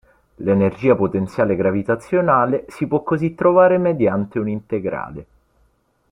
L'energia potenziale gravitazionale si può così trovare mediante un integrale.